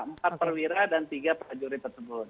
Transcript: empat perwira dan tiga prajurit tersebut